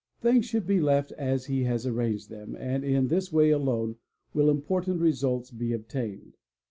Things should be left as he has arranged them and in this way alone will important results be obtained.